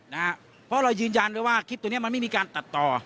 เพราะเรายืนยันไว้ว่าคลิปตัวนี้มันไม่มีการตัดต่อ